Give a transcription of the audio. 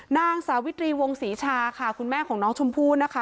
นางสาวิตรีวงศรีชาค่ะคุณแม่ของน้องชมพู่นะคะ